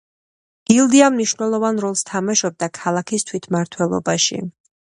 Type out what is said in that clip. გილდია მნიშვნელოვან როლს თამაშობდა ქალაქის თვითმმართველობაში.